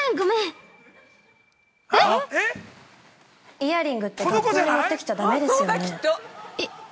◆イヤリングって学校に持ってきちゃだめですよね。